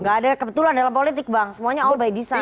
gak ada kebetulan dalam politik bang semuanya all by design